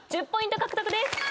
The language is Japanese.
１０ポイント獲得です。